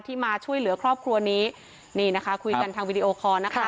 มาช่วยเหลือครอบครัวนี้นี่นะคะคุยกันทางวิดีโอคอร์นะคะ